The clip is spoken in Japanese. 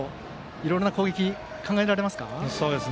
いろいろ攻撃が考えられますか？